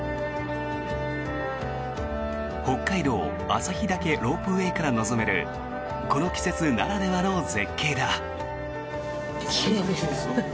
北海道・旭岳ロープウェイから望めるこの季節ならではの絶景だ。